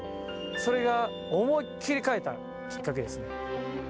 それが思いっきり変えたきっかけですね。